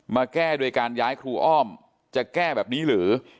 มาแก้โดยการย้ายครูอ้อมจะแก้แบบนี้หรือ